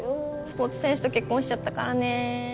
スポーツ選手と結婚しちゃったからね